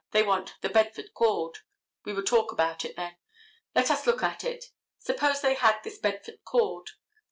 They want the bedford cord. We will talk about it, then. Let us look at it. Suppose they had this bedford cord.